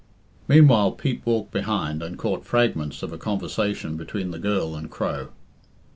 Meanwhile Pete walked behind, and caught fragments of a conversation between the girl and Crow.